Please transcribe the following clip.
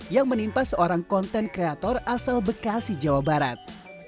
yang menimpa seorang konten kreator asal bekasi jawa barat